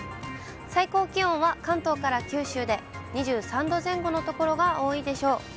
最高気温は関東から九州で２３度前後の所が多いでしょう。